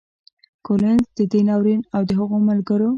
کولینز د دې ناورین او د هغو ملګرو